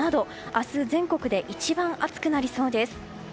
明日全国で一番暑くなりそうです。